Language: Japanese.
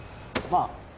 まあ。